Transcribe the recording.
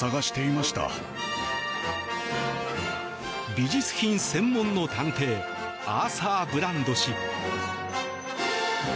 美術品専門の探偵アーサー・ブランド氏。